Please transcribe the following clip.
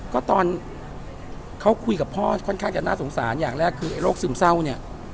ก็ตอนเขาคุยกับพ่อค่อนข้างจะน่าสงสารอย่างแรกคือไอโรคซึมเศร้าเนี่ย